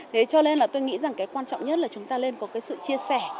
thế cho nên là tôi nghĩ rằng cái quan trọng nhất là chúng ta nên có cái sự chia sẻ